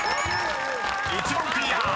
［１問クリア！